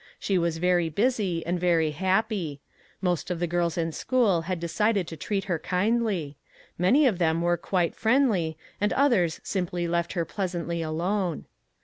She was very busy and very happy ; most of the girls in school had decided to treat her kindly; many of them were quite friendly, and others simply 367 MAG AND MARGARET let her pleasantly alone.